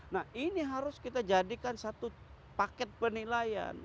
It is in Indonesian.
nah ini harus kita jadikan satu paket penilaian